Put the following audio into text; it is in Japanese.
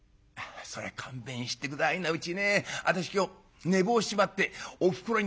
「そりゃ勘弁して下はいなうちね私今日寝坊しちまっておふくろにダン！